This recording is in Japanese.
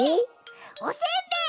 おせんべい！